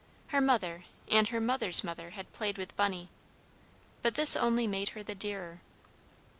Her mother and her mother's mother had played with Bunny, but this only made her the dearer.